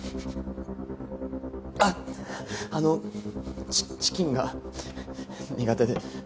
あっあのチチキンが苦手で。